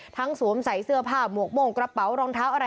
สวมใส่เสื้อผ้าหมวกโม่งกระเป๋ารองเท้าอะไร